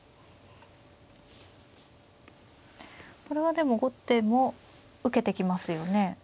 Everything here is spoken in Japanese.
これはでも後手も受けてきますよね。